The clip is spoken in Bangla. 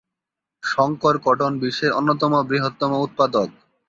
শঙ্কর কটন বিশ্বের অন্যতম বৃহত্তম উৎপাদক।